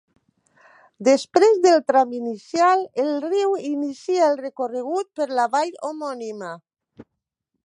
Després del tram inicial, el riu inicia el recorregut per la vall homònima.